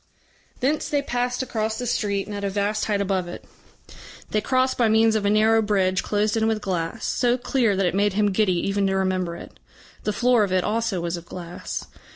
Thence they passed across the street and at a vast height above it. They crossed by means of a narrow bridge closed in with glass, so clear that it made him giddy even to remember it. The floor of it also was of glass.